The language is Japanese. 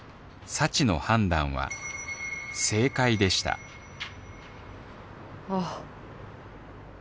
幸の判断は正解でしたあ。